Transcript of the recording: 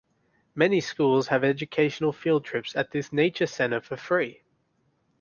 Many schools have educational field trips at this nature center for free.